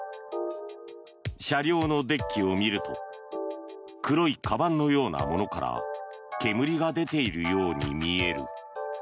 車両のデッキを見ると黒いかばんのようなものから煙が出ているように見える。